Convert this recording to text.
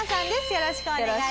よろしくお願いします。